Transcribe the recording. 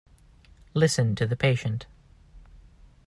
Listen to the patient.